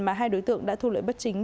mà hai đối tượng đã thu lợi bất chính